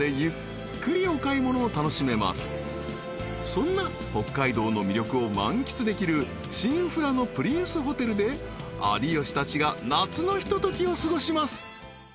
［そんな北海道の魅力を満喫できる新富良野プリンスホテルで有吉たちが夏のひとときを過ごします］